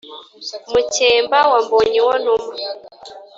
Mukemba wa Mbonyuwontuma